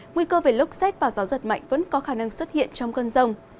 nguy cơ về lốc xét và gió giật mạnh vẫn có khả năng xuất hiện trong cơn rông